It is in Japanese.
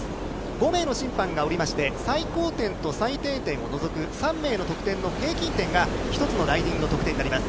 ５名の審判がおりまして最高点と最低点を除く３名の得点の平均点が一つのライディングの得点となります。